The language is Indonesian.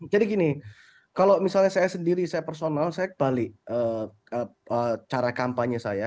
jadi gini kalau misalnya saya sendiri saya personal saya balik cara kampanye saya